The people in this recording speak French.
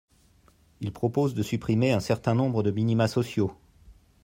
Il propose de supprimer un certain nombre de minima sociaux.